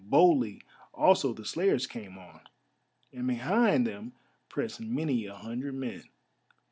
Boldly also the slayers came on, and behind them pressed many a hundred men.